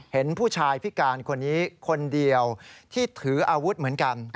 เห็นผู้ชายพิการคนนี้คนเดียวที่ถืออาวุธเหมือนกัน